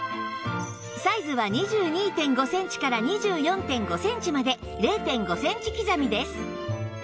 サイズは ２２．５ センチから ２４．５ センチまで ０．５ センチ刻みです